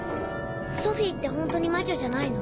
ソフィーってホントに魔女じゃないの？